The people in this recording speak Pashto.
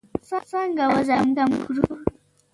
څنګه وزن کم کړو؟